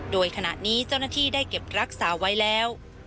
โดยขณะนี้เจ้าหน้าที่ได้เก็บรักษาไว้แล้ว